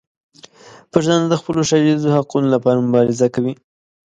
پښتانه د خپلو ښاریزو حقونو لپاره مبارزه کوي.